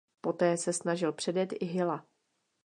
Poté se snažil předjet i Hilla.